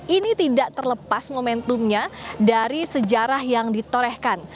ini tidak terlepas momentumnya dari sejarah yang ditorehkan